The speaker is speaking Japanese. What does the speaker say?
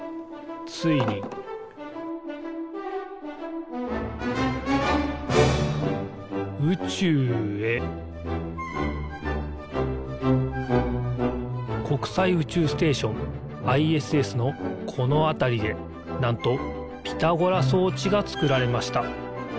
ついに宇宙へ国際宇宙ステーションＩＳＳのこのあたりでなんとピタゴラそうちがつくられました。